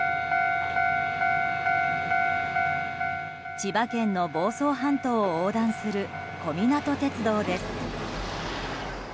千葉県の房総半島を横断する小湊鉄道です。